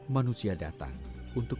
manusia datang untuk